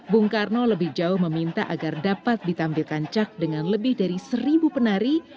bung karno lebih jauh meminta agar dapat ditampilkan cak dengan lebih dari seribu penari